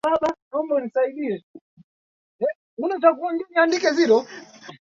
Gwaride la wanajeshi.